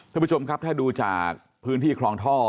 ท่านผู้ชมครับถ้าดูจากพื้นที่คลองท่อ